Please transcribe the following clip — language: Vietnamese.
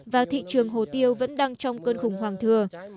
và thị trường hồ tiêu vẫn đang trong cơn khủng hoảng thừa